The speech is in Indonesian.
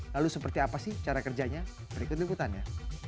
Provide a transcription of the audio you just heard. lalu seperti apa sih cara kerjanya berikut liputannya